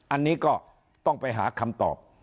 อันนี้ก็ต้องไปหาคำตอบ